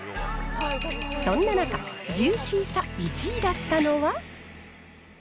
そんな中、ジューシーさ１位だったのは。